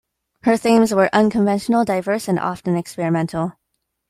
Her themes were unconventional, diverse, and often experimental.